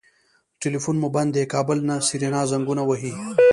ټليفون مو بند دی کابل نه سېرېنا زنګونه وهي.